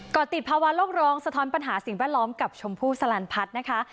ก็ติดภาวะโลกร้องสะท้อนปัญหาสิ่งแวดล้อมกับชมพู่สลันพัฒน์นะคะ